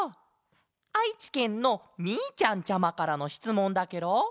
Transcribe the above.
あいちけんのみーちゃんちゃまからのしつもんだケロ！